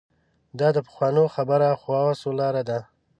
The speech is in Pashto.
دا د پخوانو خبره خواصو لاره ده.